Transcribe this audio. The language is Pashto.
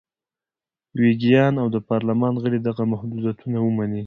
ویګیان او د پارلمان غړي دغه محدودیتونه ومني.